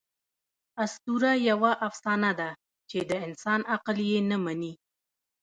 آسطوره یوه افسانه ده، چي د انسان عقل ئې نه مني.